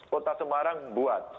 kota semarang buat